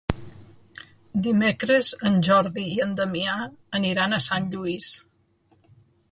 Dimecres en Jordi i en Damià aniran a Sant Lluís.